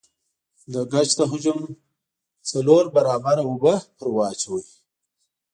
د ګچ د حجم د څلور برابره اوبه پرې واچوئ.